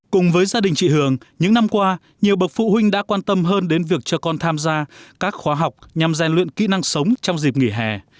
cùng với gia đình chị hường những năm qua nhiều bậc phụ huynh đã quan tâm hơn đến việc cho con tham gia các khóa học nhằm gian luyện kỹ năng sống trong dịp nghỉ hè